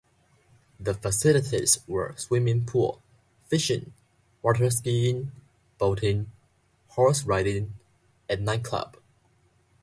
The facilities were swimming pool, fishing, water skiing, boating, horse riding and nightclub.